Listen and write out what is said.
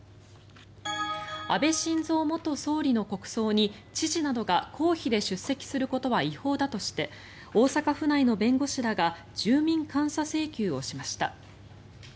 安倍晋三元総理の国葬に知事などが公費で出席することは違法だとして大阪府内の弁護士らが住民監査請求をしました。